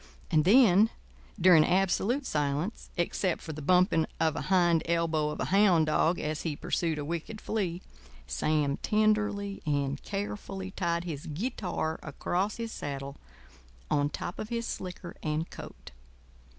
And then, during absolute silence, except for the bumping of a hind elbow of a hound dog as he pursued a wicked flea, Sam tenderly and carefully tied his guitar across his saddle on top of his slicker and coat.